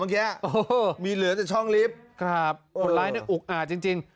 เมื่อกี้โอ้โหมีเหลือแต่ช่องริฟท์ครับผลล้ายนึกอุ๊กอ่ะจริง